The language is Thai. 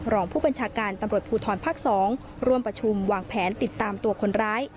รองผู้บัญชาการตำรวจภูทรภาค๒ร่วมประชุมวางแผนติดตามตัวคนร้าย